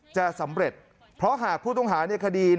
จะสำเร็จเพราะหากผู้ต้องหาในคดี